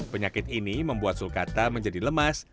penyakit ini membuat sulkata menjadi lemas